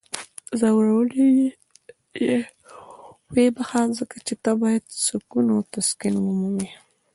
ځورولی یی یې؟ ویې بخښه. ځکه چی ته باید سکون او تسکین ومومې!